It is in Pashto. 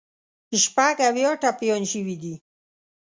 شپږ اویا ټپیان شوي دي.